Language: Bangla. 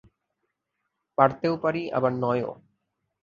পারতেও পারি, আবার নয়ও।